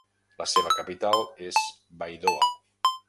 La seva capital es Baidoa.